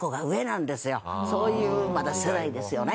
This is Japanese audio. そういうまだ世代ですよね。